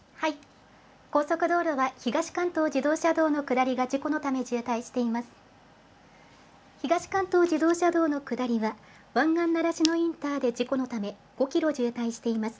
高速道路は東関東自動車道の下りが事故のため渋滞しています。